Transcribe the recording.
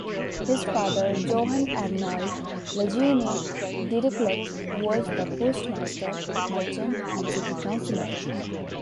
His father Johann Arnold Lejeune Dirichlet was the postmaster, merchant, and city councilor.